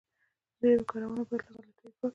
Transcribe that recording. د ژبي کارونه باید له غلطیو پاکه وي.